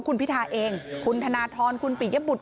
คุณพิทาเองคุณธนทรคุณปิยบุตร